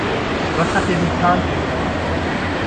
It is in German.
Was hat dir die Zahnfee gebracht?